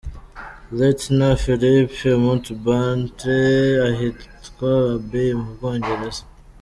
Lieutenant Philip Mountbatten ahitwa Abbey mu Bwongereza.